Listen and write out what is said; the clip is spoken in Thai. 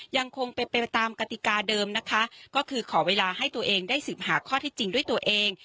ยังคงเป็นไปตามกติกาเดิมนะคะก็คือขอเวลาให้ตัวเองได้สืบหาข้อที่จริงด้วยตัวเอง